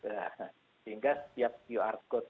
sehingga setiap qr code